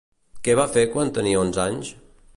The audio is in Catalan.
Què va fer quan tenia onze anys?